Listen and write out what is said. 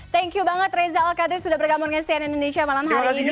thank you banget reza al katris sudah bergabung dengan cnn indonesia malam hari ini